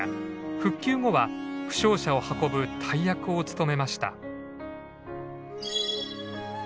復旧後は負傷者を運ぶ大役を務めました。